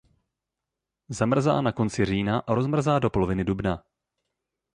Zamrzá na konci října a rozmrzá do poloviny dubna.